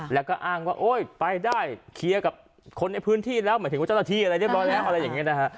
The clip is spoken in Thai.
แล้วก็อ้างว่าโอ๊ยไปได้เคลียร์กับคนในพื้นที่แล้วหมายถึงว่าเจ้าหน้าที่อะไรเรียบร้อยแล้วอะไรอย่างนี้นะฮะ